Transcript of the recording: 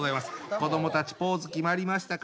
子どもたちポーズ決まりましたか？